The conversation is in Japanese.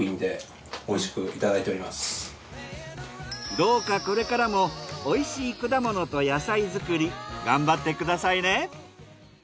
どうかこれからも美味しい果物と野菜作り頑張ってくださいね。